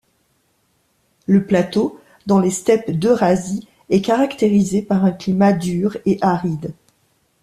Le plateau, dans les steppes d'Eurasie, est caractérisé par un climat dur et aride.